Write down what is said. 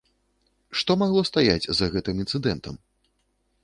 Што магло стаяць за гэтым інцыдэнтам?